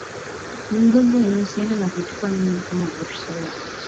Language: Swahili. Magonjwa yanayohusiana na kutupa mimba kama Brusela